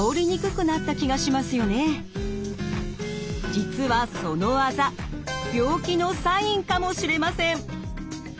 実はそのあざ病気のサインかもしれません！